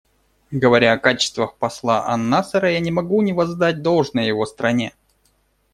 Говоря о качествах посла ан-Насера, я не могу не воздать должное его стране.